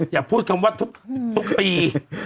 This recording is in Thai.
อย่าพูดคำว่าทุกปี